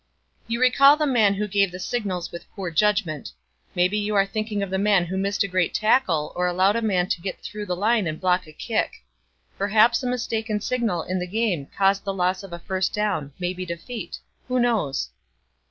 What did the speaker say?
You recall the man who gave the signals with poor judgment. Maybe you are thinking of the man who missed a great tackle or allowed a man to get through the line and block a kick. Perhaps a mistaken signal in the game caused the loss of a first down, maybe defeat who knows?